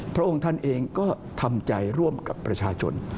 พระองค์ท่านเองก็ทำใจร่วมกับประชาชน